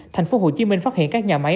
thành phố hồ chí minh phát hiện các nhà máy